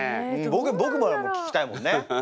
僕もだもん聞きたいもんね。